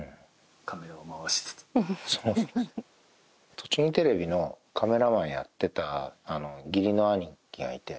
とちぎテレビのカメラマンやってた義理の兄貴がいて。